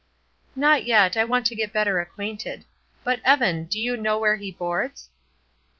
"Not yet; I want to get better acquainted. But, Evan, do you know where he boards?"